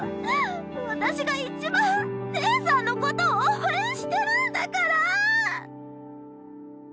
私がいちばん姉さんのこと応援してるんだから！